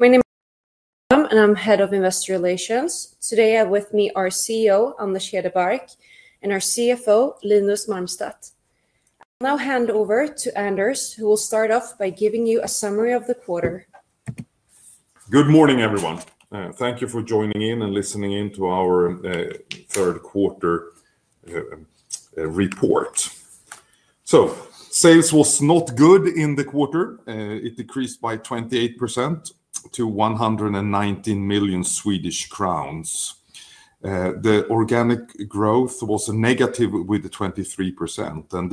My name is Amanda Åström, and I'm Head of Investor Relations. Today, I have with me our CEO, Anders Hedebark, and our CFO, Linus Marmstedt. I'll now hand over to Anders, who will start off by giving you a summary of the quarter. Good morning, everyone. Thank you for joining in and listening in to our third quarter report. Sales were not good in the quarter. It decreased by 28% to 119 million Swedish crowns. The organic growth was negative with 23%, and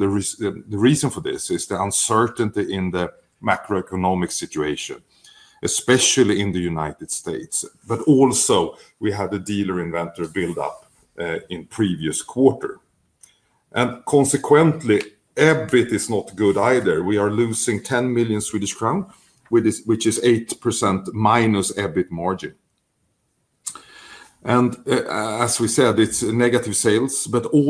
the reason for this is the uncertainty in the macroeconomic situation, especially in the United States. We also had a dealer inventory buildup in the previous quarter. Consequently, EBIT is not good either. We are losing 10 million Swedish crown, which is a -8% EBIT margin. As we said, it's negative sales, but we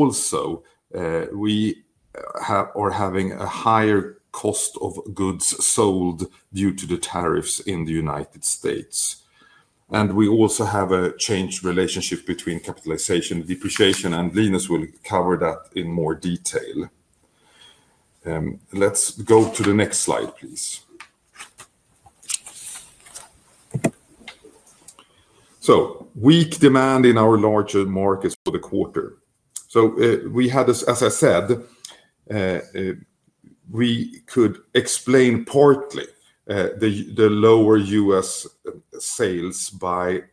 are also having a higher cost of goods sold due to the tariffs in the United States. We also have a changed relationship between capitalization and depreciation, and Linus will cover that in more detail. Let's go to the next slide, please. Weak demand in our larger markets for the quarter. We could explain partly the lower U.S. sales by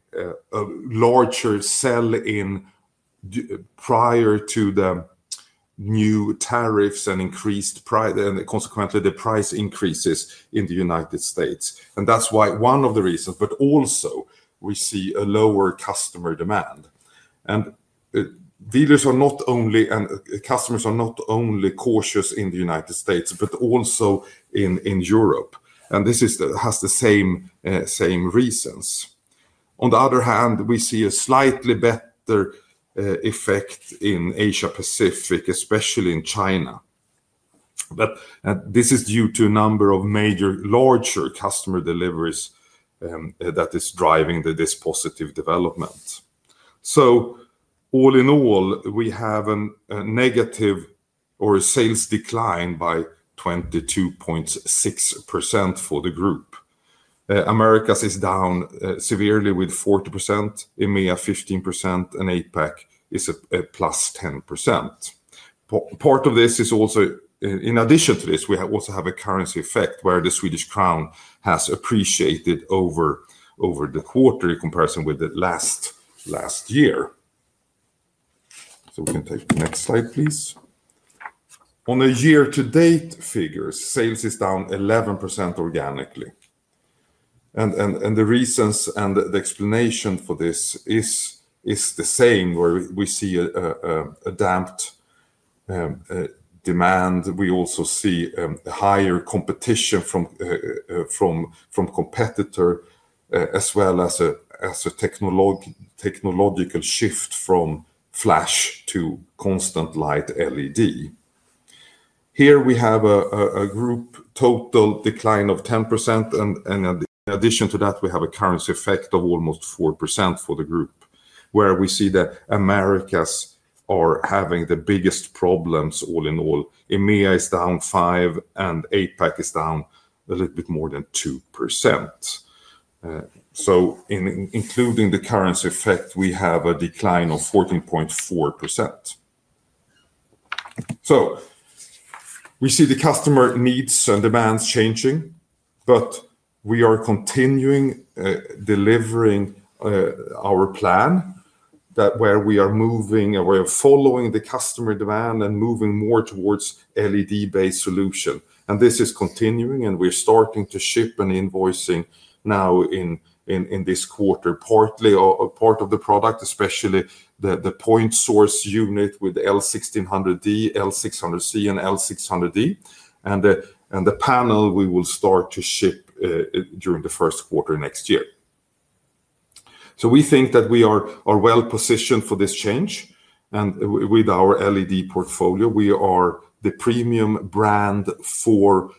a larger sell-in prior to the new tariffs and increased price, and consequently, the price increases in the United States. That's one of the reasons, but we also see a lower customer demand. Dealers and customers are not only cautious in the United States, but also in Europe. This has the same reasons. On the other hand, we see a slightly better effect in APAC, especially in China. This is due to a number of major larger customer deliveries that is driving this positive development. All in all, we have a sales decline by 22.6% for the group. America is down severely with 40%, EMEA 15%, and APAC is a +10%. In addition to this, we also have a currency effect where the Swedish krona has appreciated over the quarter in comparison with last year. We can take the next slide, please. On the year-to-date figures, sales is down 11% organically. The reasons and the explanation for this is the same, where we see a damped demand. We also see a higher competition from competitor, as well as a technological shift from flash to constant light LED. Here, we have a group total decline of 10%, and in addition to that, we have a currency effect of almost 4% for the group, where we see that America is having the biggest problems all in all. EMEA is down 5%, and APAC is down a little bit more than 2%. Including the currency effect, we have a decline of 14.4%. We see the customer needs and demands changing, but we are continuing delivering our plan where we are moving, and we are following the customer demand and moving more towards LED-based solutions. This is continuing, and we're starting to ship and invoicing now in this quarter, partly part of the product, especially the point source unit with the L1600D, L1600 Color, and L1600 Daylight. The panel, we will start to ship during the first quarter next year. We think that we are well positioned for this change, and with our LED portfolio, we are the premium brand for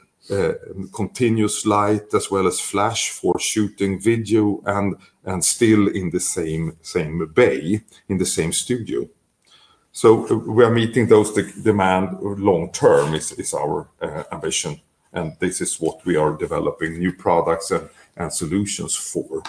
continuous light, as well as flash for shooting video and still in the same bay, in the same studio. We are meeting those demands long term, is our ambition, and this is what we are developing new products and solutions for.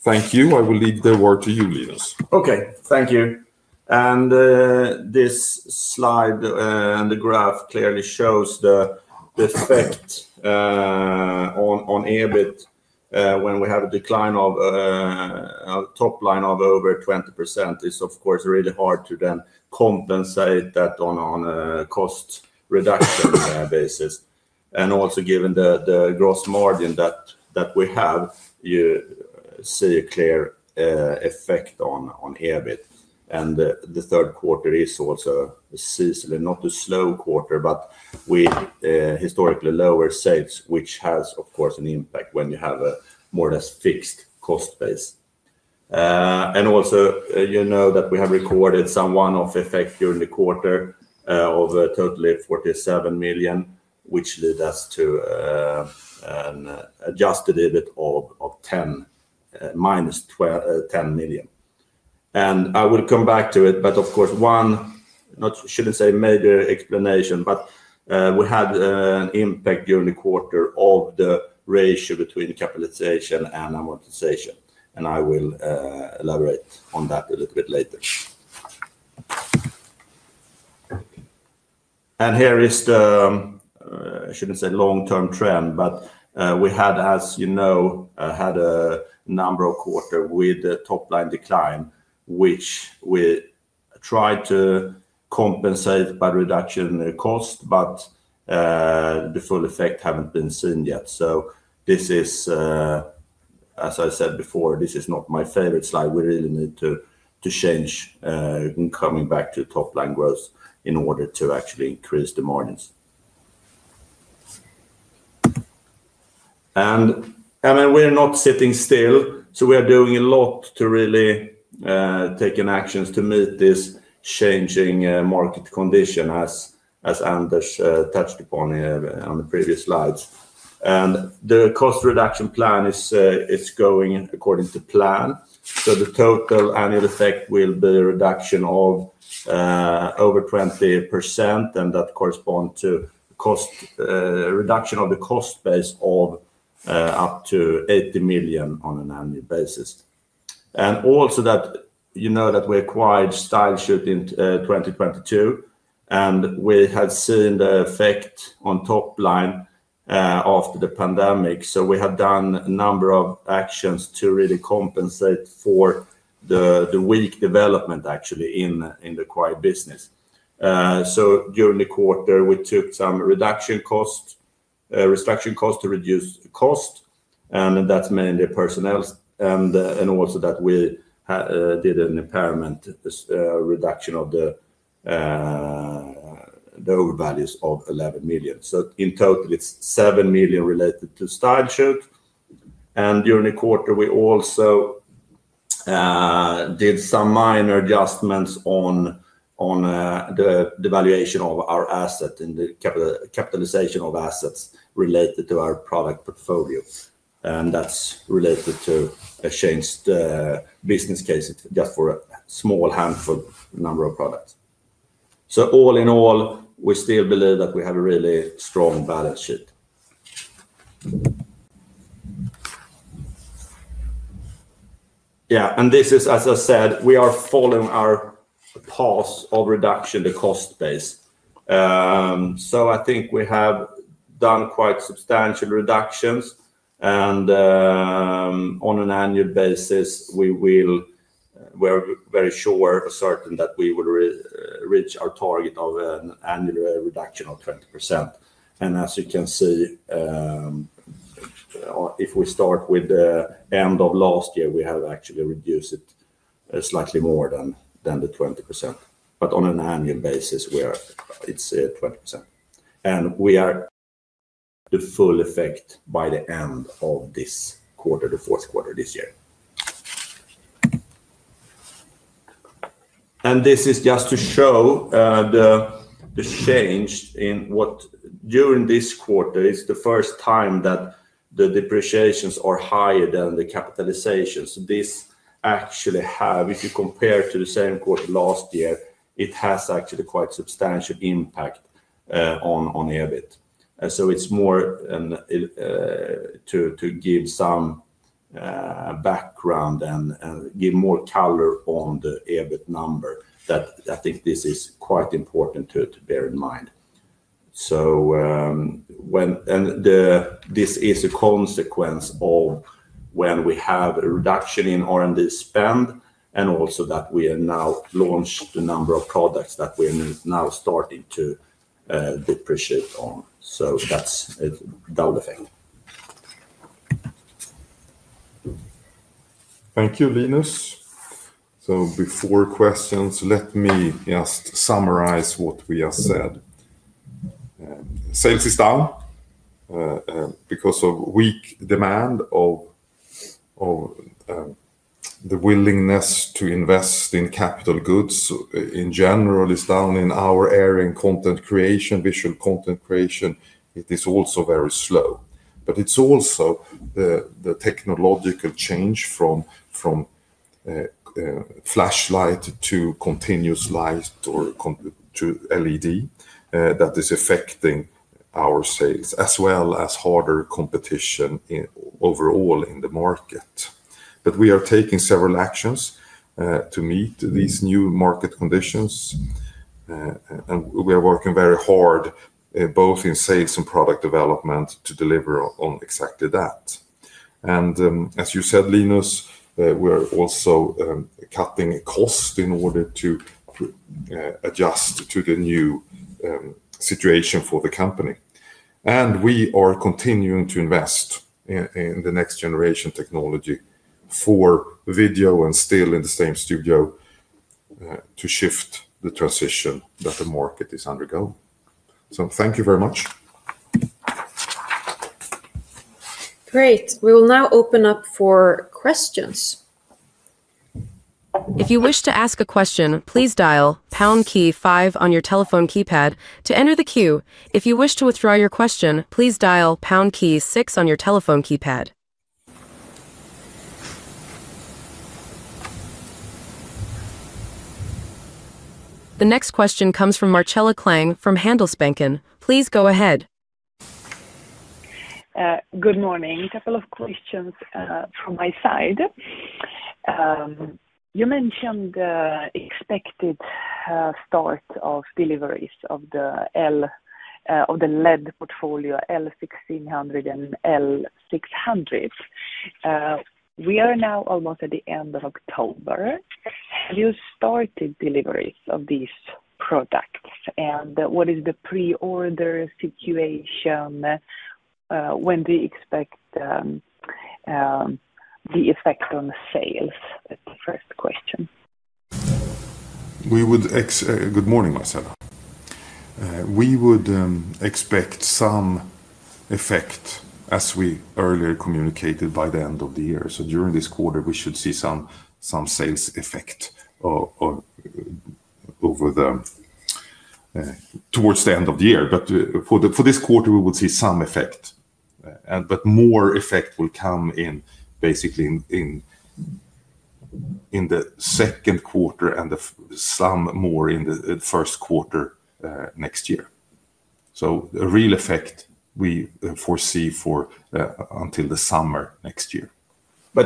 Thank you. I will leave the word to you, Linus. Okay. Thank you. This slide and the graph clearly show the effect on EBIT when we have a decline of top line of over 20%. It is, of course, really hard to then compensate that on a cost reduction basis. Also, given the gross margin that we have, you see a clear effect on EBIT. The third quarter is also not a slow quarter, but we historically have lower sales, which has, of course, an impact when you have a more or less fixed cost base. You know that we have recorded some one-off effect during the quarter of totally 47 million, which leads us to an adjusted EBIT of minus 10 million. I will come back to it, but one shouldn't say major explanation, but we had an impact during the quarter of the ratio between capitalization and amortization. I will elaborate on that a little bit later. Here is the, I shouldn't say long-term trend, but we have, as you know, had a number of quarters with a top line decline, which we tried to compensate by reduction cost, but the full effect hasn't been seen yet. This is, as I said before, not my favorite slide. We really need to change, coming back to top line growth in order to actually increase the margins. I mean, we're not sitting still, so we are doing a lot to really take actions to meet this changing market condition, as Anders touched upon on the previous slides. The cost reduction plan is going according to plan. The total annual effect will be a reduction of over 20%, and that corresponds to a reduction of the cost base of up to 80 million on an annual basis. You know that we acquired StyleShoots in 2022, and we have seen the effect on top line after the pandemic. We have done a number of actions to really compensate for the weak development, actually, in the acquired business. During the quarter, we took some reduction costs, restructuring costs to reduce costs, and that's mainly personnel. We did an impairment reduction of the overvalues of 11 million. In total, it's 7 million related to StyleShoots. During the quarter, we also did some minor adjustments on the valuation of our asset in the capitalization of assets related to our product portfolio. That's related to a changed business case just for a small handful number of products. All in all, we still believe that we have a really strong balance sheet. This is, as I said, we are following our paths of reduction of the cost base. I think we have done quite substantial reductions. On an annual basis, we are very sure or certain that we will reach our target of an annual reduction of 20%. As you can see, if we start with the end of last year, we have actually reduced it slightly more than the 20%. On an annual basis, it's 20%. We are the full effect by the end of this quarter, the fourth quarter this year. This is just to show the change in what during this quarter is the first time that the depreciations are higher than the capitalization. This actually has, if you compare to the same quarter last year, quite a substantial impact on EBIT. It is more to give some background and give more color on the EBIT number that I think is quite important to bear in mind. This is a consequence of when we have a reduction in R&D spend and also that we have now launched a number of products that we are now starting to depreciate on. That's a double effect. Thank you, Linus. Before questions, let me just summarize what we have said. Sales is down because of weak demand of the willingness to invest in capital goods. In general, it's down in our area in content creation, visual content creation. It is also very slow. It is also the technological change from flashlight to continuous light or to LED that is affecting our sales, as well as harder competition overall in the market. We are taking several actions to meet these new market conditions, and we are working very hard both in sales and product development to deliver on exactly that. As you said, Linus, we are also cutting costs in order to adjust to the new situation for the company. We are continuing to invest in the next generation technology for video and still in the same studio to shift the transition that the market is undergoing. Thank you very much. Great. We will now open up for questions. If you wish to ask a question, please dial pound key five on your telephone keypad to enter the queue. If you wish to withdraw your question, please dial pound key six on your telephone keypad. The next question comes from Marcela Klang from Handelsbanken. Please go ahead. Good morning. A couple of questions from my side. You mentioned the expected start of deliveries of the LED portfolio, L1600 and L1600. We are now almost at the end of October. Have you started deliveries of these products? What is the pre-order situation? When do you expect the effect on sales? That's the first question. Good morning, Marcela. We would expect some effect as we earlier communicated by the end of the year. During this quarter, we should see some sales effect towards the end of the year. For this quarter, we will see some effect. More effect will come basically in the second quarter and some more in the first quarter next year. The real effect we foresee is until the summer next year.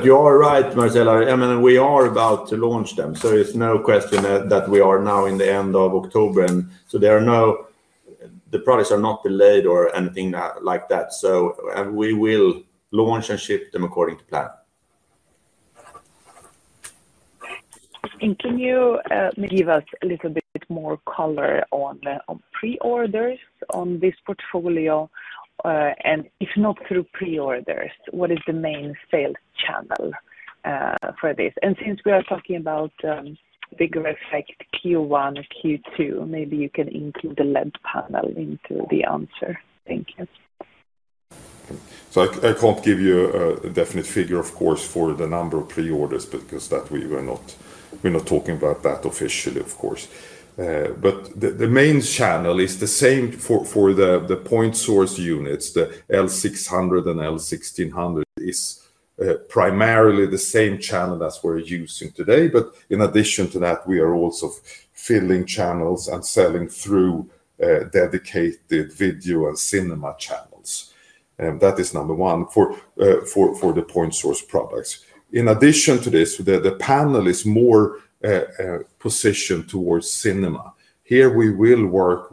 You are right, Marcela. I mean, we are about to launch them. There is no question that we are now in the end of October, and the products are not delayed or anything like that. We will launch and ship them according to plan. Could you give us a little bit more color on pre-orders on this portfolio? If not through pre-orders, what is the main sales channel for this? Since we are talking about bigger effect in Q1 or Q2, maybe you can include the LED panel into the answer. Thank you. I can't give you a definite figure, of course, for the number of pre-orders because we're not talking about that officially, of course. The main channel is the same for the point source units. The L1600 and L1600D LED is primarily the same channel as we're using today. In addition to that, we are also filling channels and selling through dedicated video and cinema channels. That is number one for the point source products. In addition to this, the panel is more positioned towards cinema. Here, we will work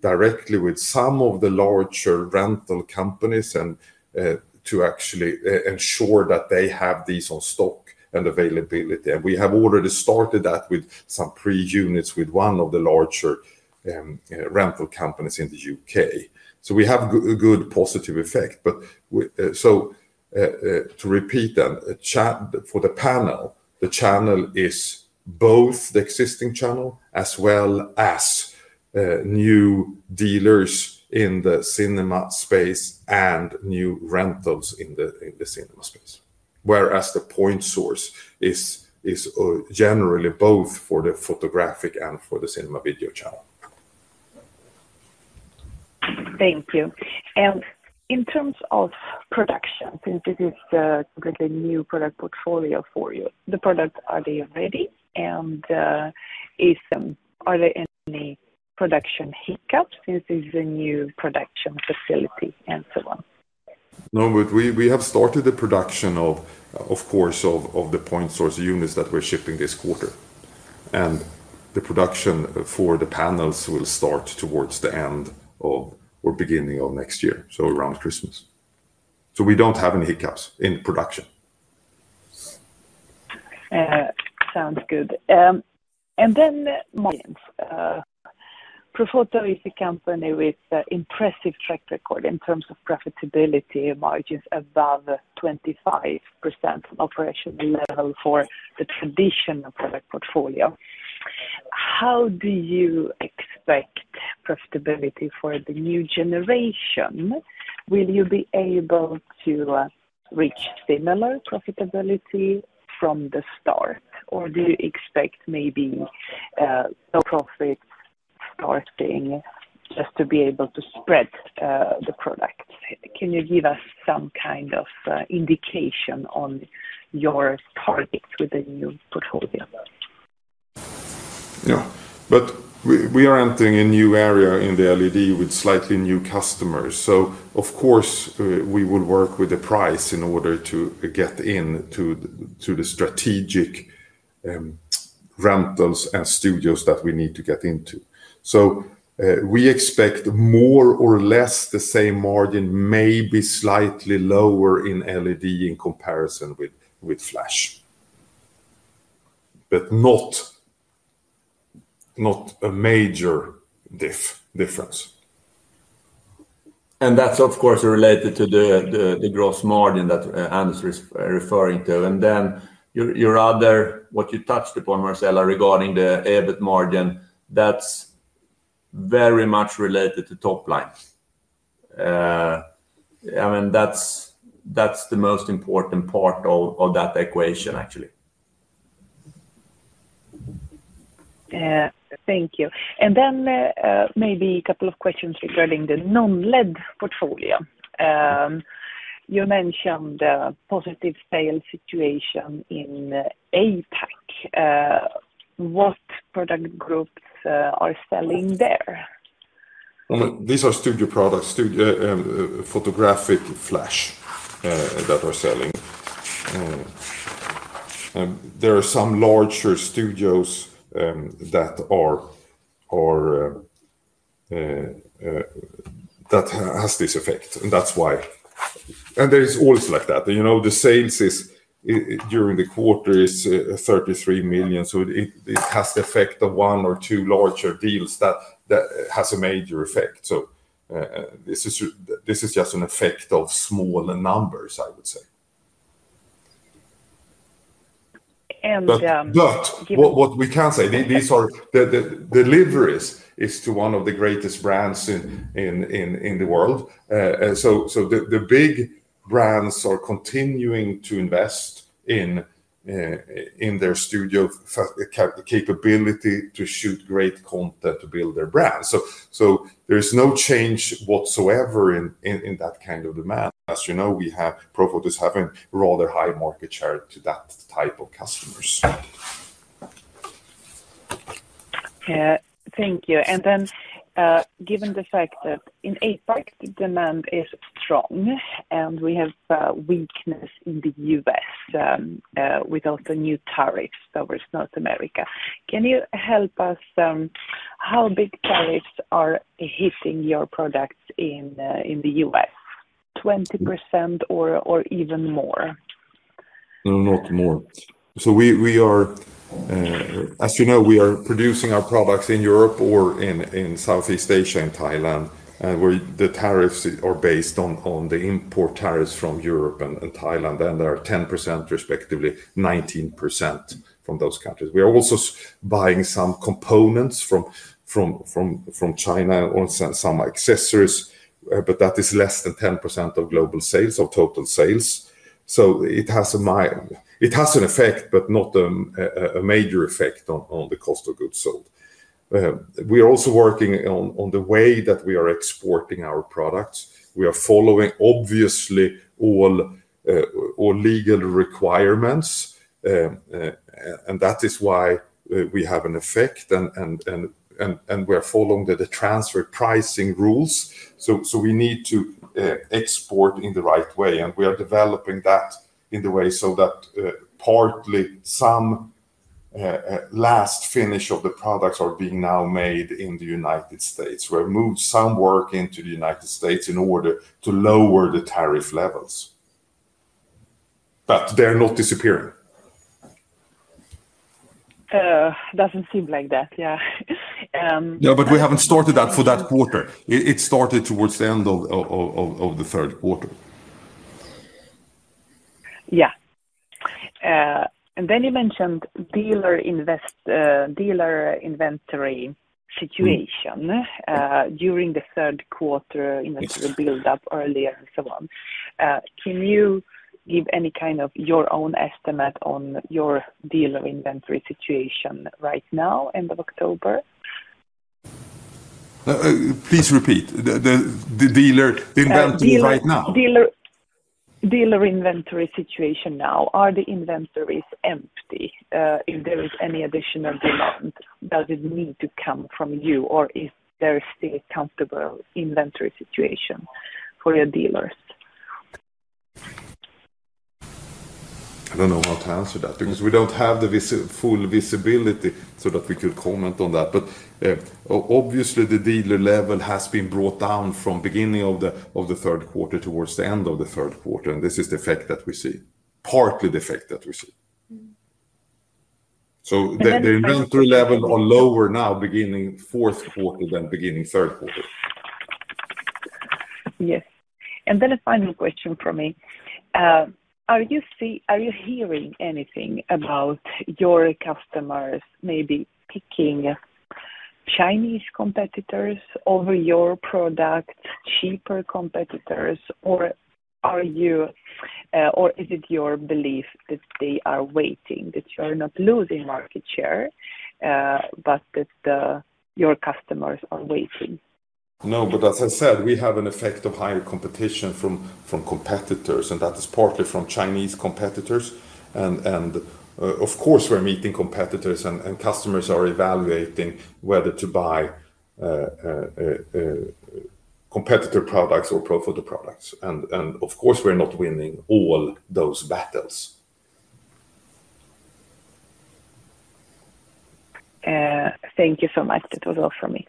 directly with some of the larger rental companies to actually ensure that they have these on stock and availability. We have already started that with some pre-units, with one of the larger rental companies in the UK. We have a good positive effect. To repeat then, for the panel, the channel is both the existing channel as well as new dealers in the cinema space and new rentals in the cinema space. Whereas the point source is generally both for the photographic and for the cinema video channel. Thank you. In terms of production, since this is a completely new product portfolio for you, the products, are they ready? Are there any production hiccups since it's a new production facility and so on? No, we have started the production of, of course, the point source units that we're shipping this quarter. The production for the panels will start towards the end of or beginning of next year, so around Christmas. We don't have any hiccups in production. Sounds good. Margins. Profoto is a company with an impressive track record in terms of profitability, margins above 25% on operational level for the traditional product portfolio. How do you expect profitability for the new generation? Will you be able to reach similar profitability from the start? Do you expect maybe profits starting just to be able to spread the product? Can you give us some kind of indication on your targets with the new portfolio? We are entering a new area in the LED with slightly new customers. Of course, we will work with the price in order to get into the strategic rentals and studios that we need to get into. We expect more or less the same margin, maybe slightly lower in LED in comparison with flash, but not a major difference. That's, of course, related to the gross margin that Anders is referring to. Your other, what you touched upon, Marcela, regarding the EBIT margin, that's very much related to top line. I mean, that's the most important part of that equation, actually. Thank you. Maybe a couple of questions regarding the non-LED portfolio. You mentioned the positive sales situation in APAC. What product groups are selling there? These are studio products, photographic flash that are selling. There are some larger studios that have this effect, and that's why. There is always like that. The sales during the quarter is 33 million. It has the effect of one or two larger deals that has a major effect. This is just an effect of smaller numbers, I would say. What we can say, these are the deliveries to one of the greatest brands in the world. The big brands are continuing to invest in their studio capability to shoot great content to build their brands. There is no change whatsoever in that kind of demand. As you know, Profoto is having rather high market share to that type of customers. Thank you. Given the fact that in APAC, demand is strong and we have weakness in the U.S. with all the new tariffs over South America, can you help us how big tariffs are hitting your products in the U.S.? 20% or even more? No, not more. As you know, we are producing our products in Europe or in Southeast Asia and Thailand, where the tariffs are based on the import tariffs from Europe and Thailand. There are 10%, respectively 19% from those countries. We are also buying some components from China or some accessories, but that is less than 10% of total sales. It has an effect, but not a major effect on the cost of goods sold. We are also working on the way that we are exporting our products. We are following, obviously, all legal requirements. That is why we have an effect, and we are following the transfer pricing rules. We need to export in the right way. We are developing that in the way so that partly some last finish of the products are being now made in the United States. We have moved some work into the United States in order to lower the tariff levels, but they're not disappearing. It doesn't seem like that. Yeah. No, we haven't started that for that quarter. It started towards the end of the third quarter. You mentioned dealer inventory situation during the third quarter, inventory buildup earlier and so on. Can you give any kind of your own estimate on your dealer inventory situation right now, end of October? Please repeat the dealer inventory right now. Dealer inventory situation now. Are the inventories empty? If there is any additional demand, does it need to come from you? Or is there still a comfortable inventory situation for your dealers? I don't know how to answer that because we don't have the full visibility so that we could comment on that. Obviously, the dealer level has been brought down from the beginning of the third quarter towards the end of the third quarter. This is the effect that we see, partly the effect that we see. The inventory levels are lower now, beginning fourth quarter than beginning third quarter. Yes. A final question from me. Are you hearing anything about your customers maybe picking Chinese competitors over your products, cheaper competitors? Is it your belief that they are waiting, that you are not losing market share, but that your customers are waiting? No, as I said, we have an effect of higher competition from competitors. That is partly from Chinese competitors. Of course, we're meeting competitors, and customers are evaluating whether to buy competitor products or Profoto products. Of course, we're not winning all those battles. Thank you so much. That was all from me.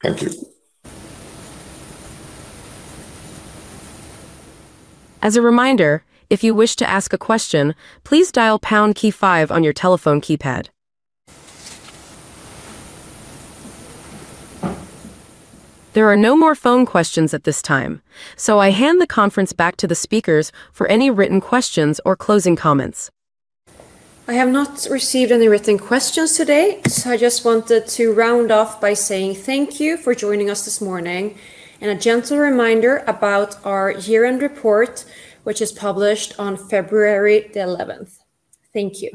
Thank you. As a reminder, if you wish to ask a question, please dial pound key five on your telephone keypad. There are no more phone questions at this time. I hand the conference back to the speakers for any written questions or closing comments. I have not received any written questions today. I just wanted to round off by saying thank you for joining us this morning. A gentle reminder about our year-end report, which is published on February 11th. Thank you.